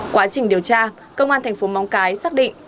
quá trình điều tra công an thành phố móng cái xác định